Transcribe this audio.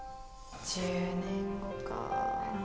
１０年後かあ。